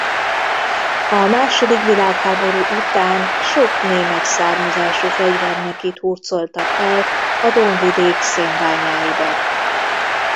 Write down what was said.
A második világháború után sok német származású fegyvernekit hurcoltak el a Don-vidék szénbányáiba.